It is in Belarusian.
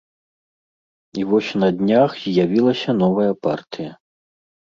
І вось на днях з'явілася новая партыя.